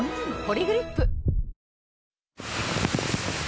「ポリグリップ」